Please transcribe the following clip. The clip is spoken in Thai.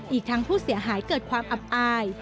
อีกทั้งผู้เสียหายเกิดความอับอาย